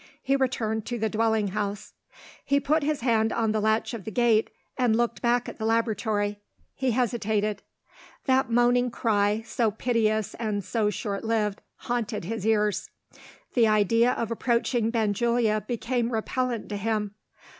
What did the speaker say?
He returned to the dwelling house. He put his hand on the latch of the gate, and looked back at the laboratory. He hesitated. That moaning cry, so piteous and so short lived, haunted his ears. The idea of approaching Benjulia became repellent to him.